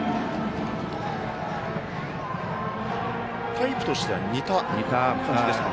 タイプとしては似た感じですか。